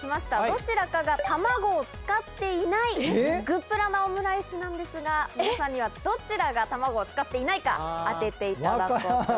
どちらかが卵を使っていないグップラなオムライスなんですが皆さんにはどちらが卵を使っていないか当てていただこうと思います。